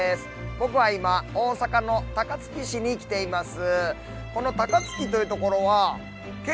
僕は今大阪の高槻市に来ています。